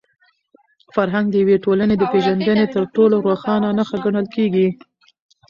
فرهنګ د یوې ټولني د پېژندني تر ټولو روښانه نښه ګڼل کېږي.